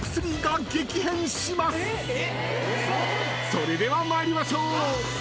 ［それでは参りましょう！］